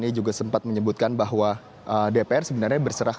ini juga sempat menyebutkan bahwa dpr sebenarnya berserah